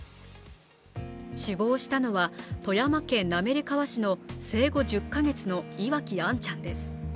死亡したのは富山県滑川市の生後１０か月の岩城杏ちゃんです。